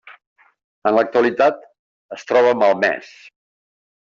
En l'actualitat es troba malmès.